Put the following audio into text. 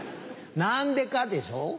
なんでか？でしょ。